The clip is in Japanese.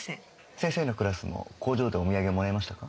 先生のクラスも工場でお土産もらいましたか？